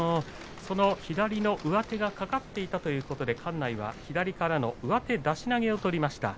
その左の上手がかかっていたということで館内は左からの上手出し投げを取りました。